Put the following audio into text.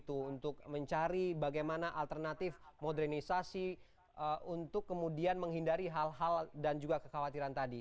untuk mencari bagaimana alternatif modernisasi untuk kemudian menghindari hal hal dan juga kekhawatiran tadi